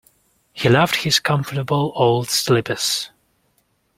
He loved his comfortable old slippers.